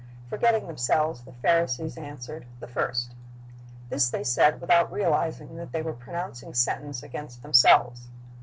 Forgetting themselves, the Pharisees answered, "The first." This they said without realizing that they were pronouncing sentence against themselves.